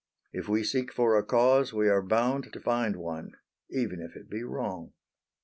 If we seek for a cause we are bound to find one even if it be wrong.